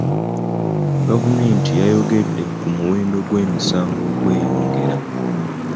Gavumenti yayogedde ku muwendo gw'emisango ogweyongera